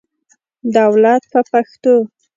دولت په پښتو.